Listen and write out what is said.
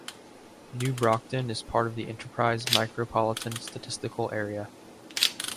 New Brockton is part of the Enterprise Micropolitan Statistical Area.